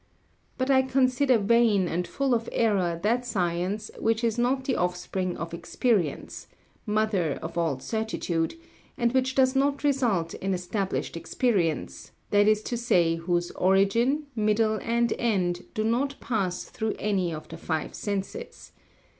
But I consider vain and full of error that science which is not the offspring of experience, mother of all certitude, and which does not result in established experience, that is to say, whose origin, middle and end do not pass through any of the five senses.